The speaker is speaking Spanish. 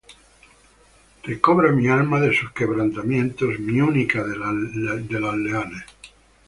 Recobra mi alma de sus quebrantamientos, mi única de los leones.